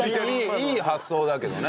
いい発想だけどね。